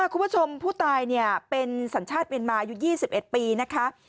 อ่ะคุณผู้ชมผู้ตายเนี่ยเป็นสันชาติเวียนมาอยู่๒๑ปีนะคะ